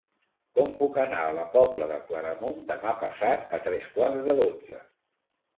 Com puc anar a la Pobla de Claramunt demà passat a tres quarts de dotze?